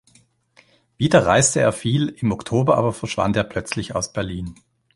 Wieder reiste er viel, im Oktober aber verschwand er plötzlich aus Berlin.